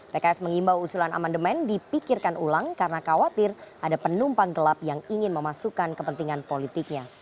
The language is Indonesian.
pks mengimbau usulan amandemen dipikirkan ulang karena khawatir ada penumpang gelap yang ingin memasukkan kepentingan politiknya